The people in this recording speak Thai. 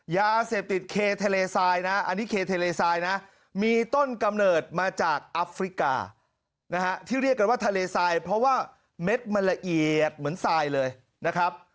ยาเสพติดเคทะเลทรายนะอันนี้เคทะเลทรายนะมีต้นกำเนิดมาจากอัฟริกานะฮะที่เรียกกันว่าทะเลทรายเพราะว่าเม็ดมันละเอียดเหมือนทรายเลยนะครับ